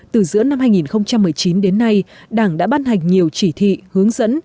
từ giữa năm hai nghìn một mươi chín đến nay đảng đã ban hành nhiều chỉ thị hướng dẫn